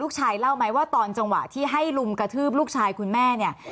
เล่าไหมว่าตอนจังหวะที่ให้ลุมกระทืบลูกชายคุณแม่เนี่ย